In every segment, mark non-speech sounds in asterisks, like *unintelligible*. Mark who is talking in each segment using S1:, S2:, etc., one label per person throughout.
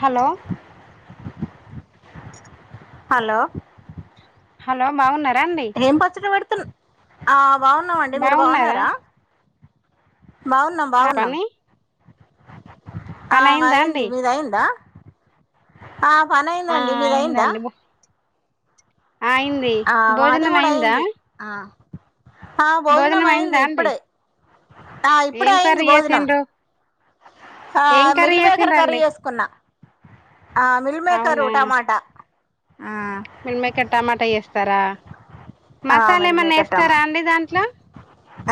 S1: Hello
S2: hello
S1: hello బాగున్నార్
S2: ఏం పచ్చడి పెడుతున్ ఆ బాగున్నామండి మీరు బాగున్నారా. బాగున్నాం
S1: ఆ
S2: బాగున్నాం
S1: పని
S2: ఆ
S1: పని అయిందా
S2: అయింది
S1: అండి
S2: మీదయిందా ఆ పని
S1: ఆ
S2: అయిందండి మీదయిందా
S1: అయిందండి భో- అయింది
S2: మాది
S1: భోజనం
S2: కూడా
S1: అయిందా
S2: అయింది ఆ ఆ భోజనం అయింది
S1: అయిందా అండి
S2: ఇప్పుడే ఆ ఇప్పుడే
S1: ఏం
S2: అయింది
S1: కర్రీ
S2: భోజనం.
S1: చేసిండ్రు
S2: ఆ
S1: ఏం కర్రీ
S2: మిల్ బేకర్ కర్రీ
S1: చేసిండ్రండి
S2: చేస్కున్నా ఆ మిల్ మేకరు టమాటా ఆ
S1: మీల్ మేకర్ టమాటా చేస్తారా
S2: ఆ
S1: మసాలా
S2: మెల్
S1: ఏమన్నా
S2: మేకర్
S1: వేస్తారా
S2: టమాట
S1: అండి దాంట్లో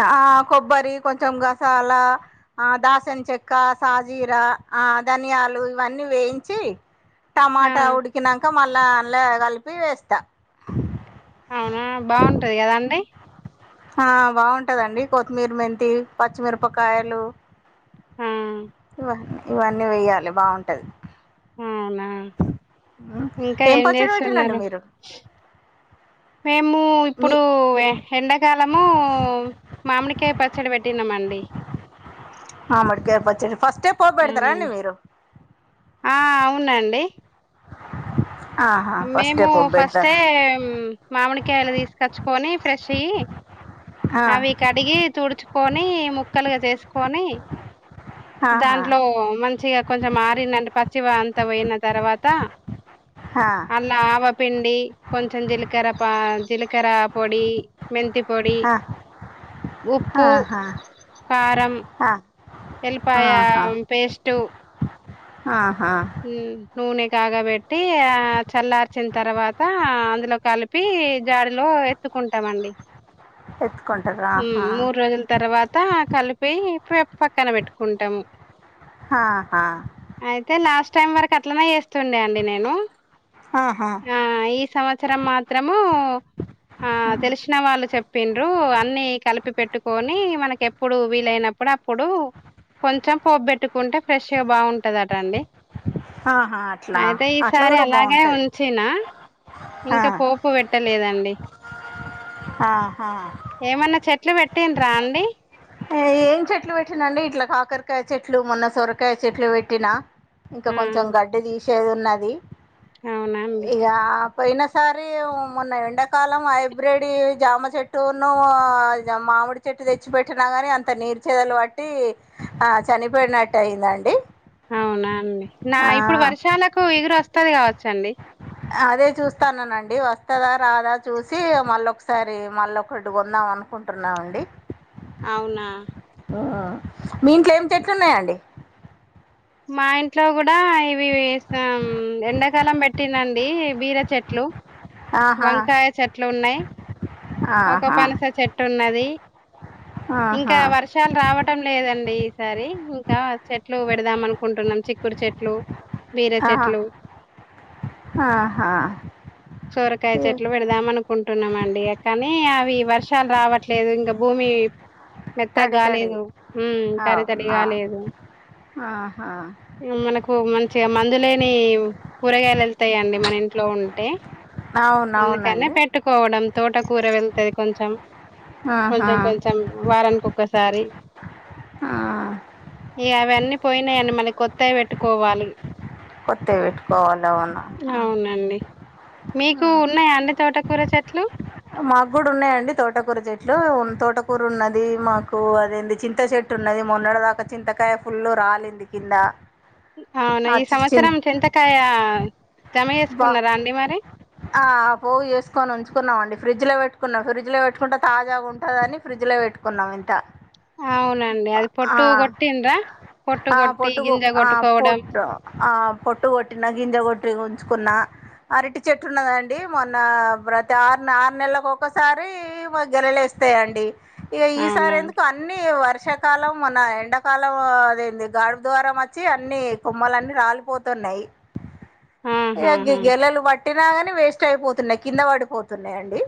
S2: ఆ ఆ కొబ్బరి కొంచెం గ మసాలా ఆ దాసన చెక్క సాజీర ఆ ధనియాలు ఇవన్నీ వేయించి చి
S1: ఆ
S2: టమాటా ఉడికినాక మళ్ళా అల్ల కలిపి వేస్తా.
S1: అవునా బాగుంటది కదాండి
S2: ఆ బాగుంటదండి కొత్తిమీర మెంతి పచ్చిమిరపకాయలు.
S1: ఆ
S2: ఇవన్ని ఇవన్నీ వేయ్యాలి బాగుంటది
S1: అవునా ఇంకా ఏం
S2: పచ్చడి పెట్టిరండి
S1: చేస్తున్నారు
S2: మీరు
S1: మే ము
S2: మీ
S1: ఇప్పుడు ఎండాకాలము మామిడికాయ పచ్చడి పెట్టినాం అండి. *inaudible*
S2: ఆ మామిడికాయ పచ్చడి ఫస్టే పోపు పెడతారా
S1: ఉమ్
S2: అండి మీరు
S1: ఆ అవునండి
S2: ఆహా ఫస్టే
S1: మేము
S2: పోపు
S1: ఫస్టే
S2: పెడతారు
S1: మామిడికాయలు తీసుకొచ్చుకొని ఫ్రెష్య్యి
S2: ఆ
S1: అవి కడిగి తుడుచుకొని ముక్కలుగా చేసుకొని
S2: ఆహా
S1: దాంట్లో మంచిగా కొంచెం మరినది పచ్చివా అంత పోయిన తర్వాత
S2: ఆ
S1: అందులో ఆవపిండి కొంచెం జీలకర్ర పా జీలకర్ర పొడి మెంతిపొడి
S2: ఆ
S1: ఉప్పు
S2: ఆహా
S1: కారం
S2: ఆ ఆహా
S1: వెల్లిపాయ పేస్ట్
S2: ఆ
S1: ఉ నూనె కాగాబెట్టి చల్లార్చిన తర్వాత అందులో కలిపి జాడిలో ఎత్తు ఉంటామండి
S2: ఎత్తుకొ
S1: మూడు రోజుల తర్వాత కలిపి పక్కన పెట్టుకుంటాము
S2: ఆహా
S1: టీమ్ వరకు అట్లనే చేస్తుండే అండి నేను
S2: ఆ
S1: ఆ ఈ సంవత్సరం మాత్రము ఆ తెలిసిన వాళ్ళు చెప్ పిండు అన్ని కలిపి పెట్టుకొని మనకి ఎప్పుడు వీలైనప్పుడు అప్పుడు కొంచెం పోపు పెట్టుకుంటే ఫ్రెష్గా బాగుంటదటండి
S2: ఆహా అట్లా
S1: అయితే
S2: అట్లా
S1: ఈసారి
S2: కూడా
S1: అలాగే
S2: బాగుంటుంది
S1: ఉంచేయనా ఇంకా పోపు పెట్టలేదండి
S2: ఆహా
S1: ఏమన్నా చెట్లు పెట్టిండ్రా అండి
S2: ఏం చెట్లు పెట్టినండి ఇట్లా కాకరకాయ చెట్లు మొన్న సొరకాయ చెట్లు పెట్టినా ఇంకా
S1: ఆ!
S2: కొంచెం గడ్డి తీసేది ఉన్నది
S1: అవునా అండి.
S2: ఇగ పోయిన సారి మొన్న ఎండాకాలం హైబ్రెడ్ జామ చెట్టునూ మా మామిడి చెట్టు తెచ్చి పెట్ పెట్టినా గానీ అంత నీరుచదలు బట్టి ఆ చనిపోయినట్టు అయిందండి
S1: అవునా అండి నా ఇప్పుడు వర్షాలకు చిగురు వస్తది కావచ్చండి
S2: అదే చూస్తాననండి వస్తదా రాదా చూసి మళ్ళ ఒకసారి మళ్ళ ఒకటి కొందాం అను అనుకుంటున్నామండి
S1: అవునా
S2: మీ ఇంట్లో ఏమి చేట్లున్నాయండి
S1: మా ఇంట్లో కూడా ఇవి ఎండాకాలం పెట్టినండి బీర చెట్లు
S2: ఆహా
S1: వంకాయ చెట్లు ఉన్నాయి ఒక
S2: ఆహా
S1: పనస చెట్టు ఉన్నది
S2: ఆహా
S1: ఇంకా వర్షాలు రావటం లేదండి సారే ఇంకా చెట్లు పెడదాం అనుకుంటున్నా చిక్కుడు చెట్లు బీర
S2: ఆ
S1: చెట్లు
S2: ఆహా
S1: సోరకాయ
S2: ఏ,
S1: చెట్లు పెడదాం అనుకుంటున్నాము అండి కానీ అవి వర్షాలు రావట్లేదు ఇంగ భూమి మెత్త
S2: తడి తడి
S1: కాలేదు తడితడి
S2: అవునా
S1: కాలేదు
S2: ఆహా
S1: మనకు మంచిగా మందులేని కూరగాయలు వెళ్తాయండి మన ఇంట్లో ఉంటే అందుకనే
S2: అవునవునండి
S1: పెట్టుకోవడం తోటకూర వెళ్తుది కొంచెం
S2: ఆహా
S1: కొంచెం కొంచెం వారానికోక్కసారి
S2: ఆ,
S1: ఇగ అవన్నీ పోయినాయండి మళ్ళీ కొత్తయి పెట్టుకోవాలి
S2: కొత్తయి పెట్టుకోవాలవన్నా ఆహా
S1: అవునండి మీకు ఉన్నాయ అండి తోట కూర చెట్లు
S2: మాకు కూడా ఉన్నాయండి తోటకూర చెట్లు తోటకూర ఉన్నది మాకు అదేంది చింతా చెట్టు చెట్టు ఉన్నది మొన్నడ దాకా చింతకాయ ఫుల్ రాలింది కింద
S1: అవునా ఈ సంవత్సరం చింతకాయ జమ
S2: బా
S1: చేసుకున్నారా అండి మరి
S2: ఆ పో చేసుకొని ఉంచుకున్నామండి ఫ్రిడ్జ్ లో పెట్టి పెట్టుకున్నాం ఫ్రిడ్జ్ లో పెట్టుకుంటే తాజా ఉంటుద అని ఫ్రిజ్ లో పెట్టుకున్నాం ఇంత
S1: అవునండి అది పట్టు కొట్టనరా
S2: ఆ పొట్టు ఆ పొట్టు ఆ పొట్టు కొటి న గింజ కొట్టి తెచ్చుకున్నా అరిటి చెట్టు ఉన్నదండి మొన్న ప్రతి ఆరు ఆరు నెలకి ఒక్కసారి గెలలే వస్త వస్తాయండి ఇ ఈసారి
S1: అవునా
S2: ఎందుకు అన్ని వర్ష కాలం మన ఎండాకాలం అదంది గాడు ద్వారంా వచ్చి అన్ని కుమ్మాలన్ని రాలిపోతున్నాయి
S1: *unintelligible* ఆహాహా
S2: గిలలు పట్టినా కాని వేస్ట్ అయిపోతున్నాయి కింద పడిపోతున్నాయిండి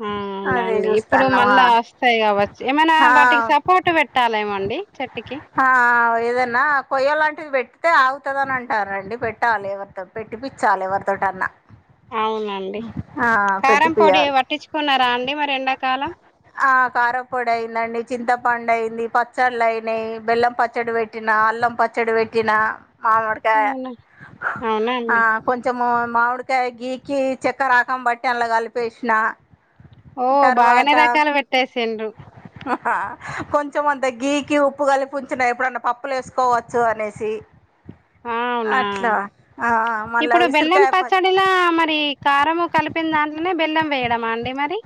S1: హ అవునాండి ఇప్పుడు మళ్ళా వస్తాయి కావచ్చు ఏమైనా వాటికి సపోర్ట్ పెట్టాలేమోండి చెట్టుకి
S2: ఏదనా కొయ్య లాంటిది పెట్ అతే ఆగుతుదని అంటారుండి పెట్టాలి ఎవరితో పెట్టిపించాలి ఎవరితోటన్నా
S1: అవునండి
S2: ఆ
S1: కారం పొడి
S2: పెట్టిపియాలి
S1: పట్టించుకున్నారా అండి మరి ఎండాకాలం
S2: ఆ కారపొడి అయిందండి చింతపండు అయింది పచ్చళ్ళు అయినాయి బెల్లం పచ్చడి పెట్టిన అల్లం పచ్చడి పెట్టిన మామిడుకా
S1: అవునా అవునా అండి
S2: కొంచము మామిడికాయ గీకి చెక్క రాకం బట్టి అందుల కలిపేసిన
S1: ఓ బాగానే
S2: తర్వాత
S1: రకాలు పెట్టేసిండ్రు
S2: కొ కొంచెం అంత గీకి ఉప్పు కలిపు ఉంచిన ఎప్పుడన్నా పప్పులు వేసుకోవచ్చు అనేసి
S1: అవునా
S2: అట్లా మళ్ళా
S1: ఇప్పుడు బెల్లం
S2: ఉసిరికాయ ప
S1: పచ్చడిలా మరి ఈ కారంము కలిపిన దాంట్లోనే బెల్లం వేయడమా అండి మరి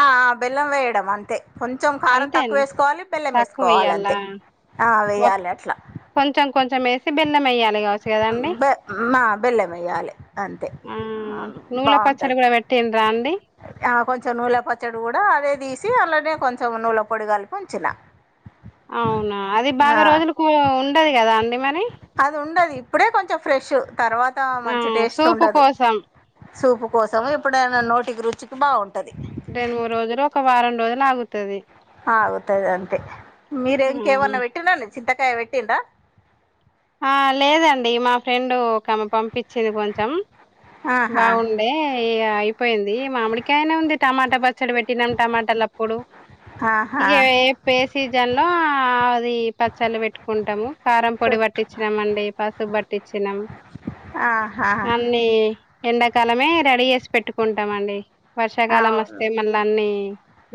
S2: ఆ బెల్లం వేయడం అంతే కొంచెం కారం తక్కువ
S1: అంతేనా
S2: వేసుకోవాలి బిల్లం
S1: తక్కువ
S2: వేసుకోవాలి
S1: వేయ్యాలా
S2: అంతే ఆ వెయ్యాలి అట్లా
S1: బెల మయ్యాలగా
S2: బ మా బెల్లం వేయ్యాలి అంతే
S1: ఆ నువ్వుల పచ్చడి
S2: బాగుంటాంది
S1: కూడా పెట్టిండ్రా అండి
S2: ఆ కొంచెం నూలె పచ్చడి కూడా అదే తీసి అలానే కొంచెం నూల పొడిగలు పొంచిన
S1: అవునా అది బాగా రోజులు ఉండదు కదా అం మ
S2: అది ఉండదు ఇప్పుడే కొంచెం ఫ్రెష్ తర్వాత
S1: ఆ
S2: మంచి టేస్ట్
S1: సూపు
S2: ఉండదు
S1: కోసం
S2: సూపు కోసం ఎప్పుడైనా నోటికి రుచికి బాగుంటుంది
S1: రెండు మూడు రోజులు ఒక వారం రోజులు ఆగుతుది
S2: ఆగుతద అంతే మీరేం
S1: ఆ
S2: కేేవన్న పెట్ననే చింతకాయ పెట్టంద
S1: ఆ లేదండి మా ఫ్రెండ్ ఒకమె పంపించింది కొంచెం
S2: ఆహా
S1: బాగుండే అయిపోయింది మామిడికాయనే ఉంది టమాటా పచ్చ చ్చడి పెట్టినాం టమాటాలు అప్పుడు
S2: ఆహా
S1: ఇక ఏ ఏ సీజన్ లో అది పచ్చళ్ళు పెట్టుకుంటాము కారం పొడి పట్టి మండి పసుపు బట్టించినాం
S2: ఆహా
S1: అన్ని ఎండాకాలమే రెడీ చేసి పెట్టుకుంటాంండి వర్షాకాలం
S2: అవును
S1: వస్తే మళ్ళా అన్ని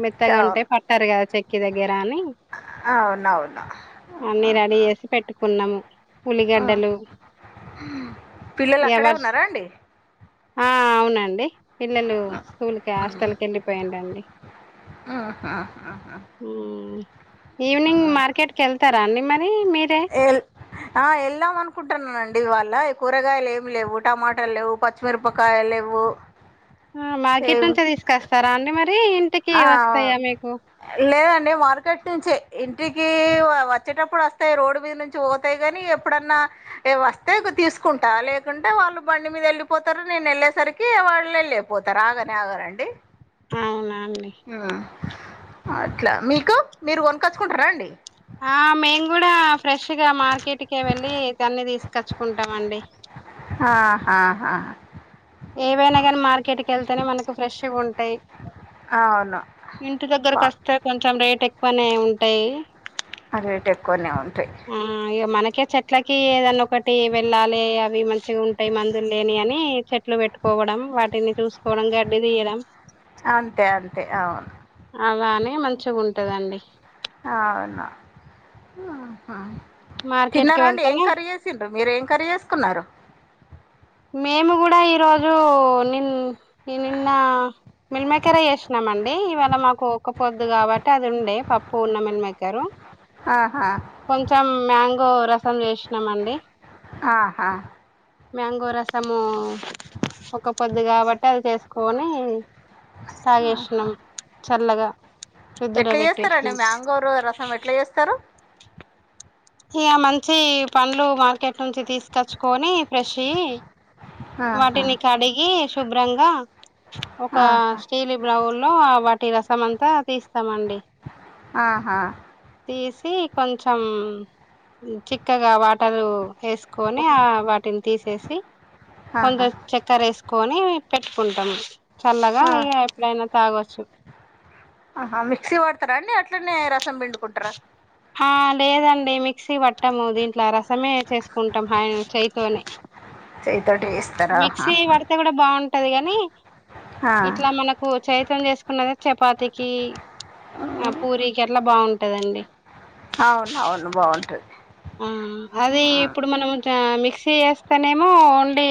S1: మెత్తగా ఉంటే
S2: అవును
S1: పట్టారు కదా చెక్కి దగ్గర అని
S2: అవును
S1: అన్ని రెడీ చేసి పెట్టుకున్నాము
S2: ఉమ్.
S1: ఉల్లిగడ్డలు
S2: పిల్లలు అక్కడే
S1: ఎవరు
S2: ఉన్నారా అండి
S1: ఆ అవునండి పిల్లలు స్కూల్ కి హాస్టల్ కి వెళ్ళిపోయిండండి
S2: ఆ ఆ
S1: ఈవినింగ్ మార్కెట్కి వెళ్తారా అండి మరి మీరే
S2: ఎల్ ఆ ఎళ్ళాం అనుకుంటున్నానండి ఇవాళ కూరగాయలు ఏమి లేవు టమాటాలు లేవు పచ్చిమిరపకాయలు లేెవు
S1: ఆ మార్కెట్ నుంచే తీసుకొస్తారా అండి మరి ఇంటికి
S2: ఆ,
S1: వస్తాయా మీకు
S2: లేదండి మార్కెట్ నుంచే ఇంటికి వచ్చేటప్పుడు వస్తాయ్ రోడ్డు మీద నుంచి బోతాయి గనీ ఎప్పుడన్నా వస్తే ఇ తీసుకుంటా లేకుంటే వాళ్ళు బండి మీద వెళ్ళిపోతారు నేను ఎళ్ళేసరికి వాళ్ళెళ్ళిపోతారు ఆగానే ఆగరండి
S1: అవునా అండి
S2: అట్లా మీకు మీరు కొనుకొచ్చుకుంటారా అండి
S1: ఆ మేం గూడా ఫ్రెష్ గా మార్కెట్కే వెళ్ళి తన్ని తీసుకొచ్చుకుంటామండి
S2: ఆ హా హా
S1: ఏవైనా గానీ మార్కెట్కి ఎళ్తేనే మనకు ఫ్రెష్షు గుం టాయ్
S2: అవును
S1: ఇంటి
S2: వా
S1: దగ్గరకొస్తే కొంచెం రేట్ టె ఎక్కువనే ఉంటాయి
S2: ఆ రేటెక్కువనే ఉన్
S1: ఊమ్ ఇగ మన కే చెట్లకి ఏదన్నా ఒకటి వెళ్ళాలి అవి మంచిగా ఉంటాయి మందులు లేని అని చెట్లు పెట్టుకో కోవడం వాటిని చూసుకోవడం గడ్డి దీయడం
S2: అంతే అంతే అవును
S1: అవ్వానే మంచిగుంటదండి
S2: ఆవును
S1: మార్కెట్ కి
S2: తిన్నారాండి ఏం
S1: వెళ్తేనే
S2: కర్రీ జేసిండ్రు మీరు ఏం కర్రీ జేసుకున్నారు
S1: మేము గూడా ఈరోజు నిన్ ఈ నిన్న మిల్మేకరి ఏషినామండి ఇవాళ మాకు ఒక్కపోద్దు గాబట్టి అది ఉండే పప్పు ఉన్న మిల్మ కరు
S2: ఆహా
S1: కొంచెం మ్యాంగో రసం జేషినాం అండి
S2: ఆహ
S1: మ్యాంగో రసము ఒక్క పొద్దు గాబట్టి అది చేసుకొని తాగేసిణం చల్లగా ఫ్రిజ్జులో
S2: ఎట్లా చేస్తారండి
S1: బెట్టేస్నం
S2: మ్యాంగోరు రసం ఎట్లా చేస్తారు
S1: ఇగ మంచి పండ్లు మార్కెట్ నుంచి తీసుకచ్చుకొని ఫ్రెష్షువి
S2: ఆహా
S1: వాటిని కడిగి శుభ్రంగా ఒక
S2: ఆహా
S1: స్టీలీ బ్లౌల్లో వాటి రసం అంతా తీస్తామండి
S2: ఆహా
S1: తీసి కొంచెం చిక్కగా వా టరు ఏసుకొని ఆ వాటిని తీసేసి
S2: ఆహా
S1: కొంయ చక్కెర ఏసుకొని పెట్టుకుంటామ్ చల్లగా
S2: ఆ
S1: అయ్యి ఎప్పుడైనా తాగొచ్చు
S2: ఆహా మిక్సీ వడతారా అండి అట్లనే రసం పిండుకుంటార
S1: హా లేదండి మిక్సీ వట్టము దీంట్లో రసమే చేసుకుంటాం హాయన చేయితోనే
S2: చేయితోటి చేస్తారా
S1: మిక్సీ
S2: ఆహా
S1: వడితే గుడా బాన్ టది గని ఇట్లా మనకు చెయ్యితోనే చేసుకున్నది చపాతికి ఆ పూరికి అట్లా బాంటదండి
S2: అవును అవును బాగుంటది
S1: ఆ అది ఇప్పుడు మనం జ మిక్స్ క్సీ ఎస్తేనేమో ఓన్లీ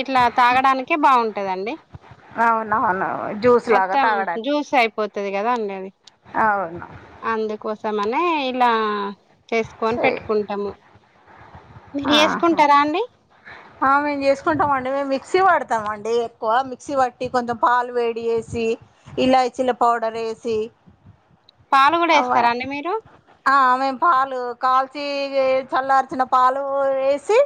S1: ఇట్లా తాగడానికే బావుంటదండి
S2: అవునవును జ్యూస్ లాగా తాగడానికి
S1: గదా అండి అది
S2: అవును
S1: *unintelligible* మనే ఇలా చేసుకొని
S2: సే
S1: పెట్టుకుంటాము మీరు
S2: ఆహా
S1: చేసుకుంటారా అండి
S2: ఆ మేమ్ జేసుకుంటాం అండి మేము మిక్సీ పడతాం అండి ఏ ఎక్కువ మిక్సీ పట్టి కొంచెం పాలు వేడి వేసి ఇలాచిలా పౌడర్ వేసి
S1: పాలు కూడా
S2: అవ్వ
S1: వేస్తారా అండి మీరు
S2: నా ఆ మేం పాలు కాల్చి చల్లార్చినం పాలు వేసి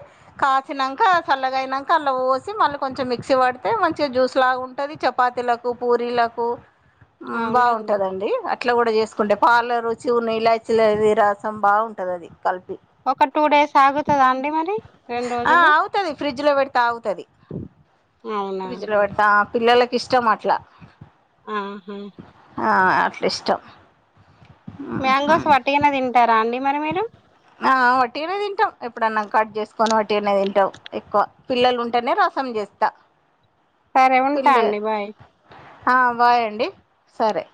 S2: కాసినంకా చల్లగా అయినంకా అలా పోసి మళ్ళీ కొంచెం మిక్సీ పడితే మంచిగా జ్యూస్ లాగా ఉంటది చపాతీలకు పూరీలకు ఉ
S1: అవునా అండి
S2: బాగుంటదండి అట్లా కూడా చేసు కుంటే పాల రుచి ఉన్నయి ఇలాచిలది రసం బాగు ఉంటది అది కలిపి
S1: ఒకర్ టూ డేస్ ఆగుతదా అండి మరి రెండు రోజులు
S2: ఆగుతుంది ఫ్రిడ్జ్లో పెడితే ఆగుతుంది
S1: అవునా
S2: ఫ్రిడ్జ్లో పెడతా పిల్లలకి ఇష్టం అట్లా
S1: ఆహా
S2: ఆ అట్లా ఇష్టం
S1: మ్యాంగోస్ వట్టిగానే తింటారా అండి మరి మీరు
S2: ఆ వట్టిగానే తింటాం ఏపు ప్పుడన్నాం కట్ చేసుకొని వట్టిగానే తింటావు ఎక్కువ పిల్లలు ఉంటేనే రసం చేస్తా
S1: సరే ఉంటా అండి బాయ్
S2: హా బాయ్ అండి సరే